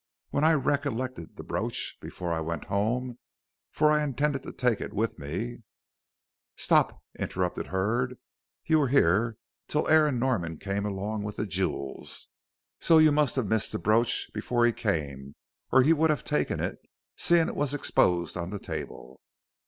When I recollected the brooch before I went home for I intended to take it with me " "Stop," interrupted Hurd, "you were here till Aaron Norman came along with the jewels, so you must have missed the brooch before he came or he would have taken it, seeing it was exposed on the table."